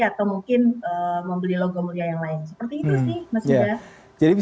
atau mungkin membeli logam mulia yang lain